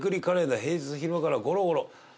平日の昼間からゴロゴロ」